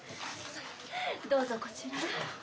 どうぞこちらへ。